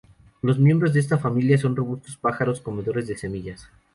Los miembros de esta familia son robustos pájaros comedores de semillas.